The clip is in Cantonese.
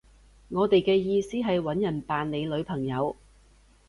我哋嘅意思係搵人扮你女朋友